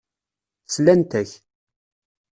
Slant-ak.